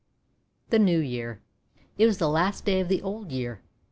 THE NEW YEAR IT was the last day of the Old Year.